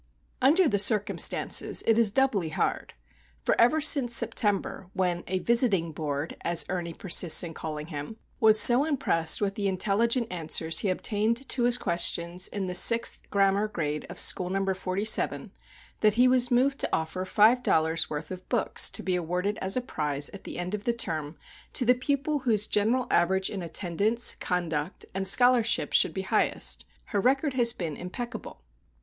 Under the circumstances it is doubly hard. For ever since September, when a "Visiting Board," as Ernie persists in calling him, was so impressed with the intelligent answers he obtained to his questions in the Sixth Grammar Grade of School No. 47 that he was moved to offer five dollars' worth of books to be awarded as a prize at the end of the term to the pupil whose general average in attendance, conduct, and scholarship should be highest, her record has been impeccable.